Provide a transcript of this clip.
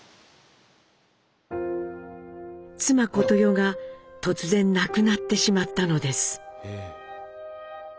妻・小とよが突然亡くなってしまったのです。